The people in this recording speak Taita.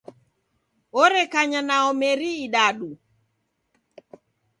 Orekanya nao kwa meri idadu.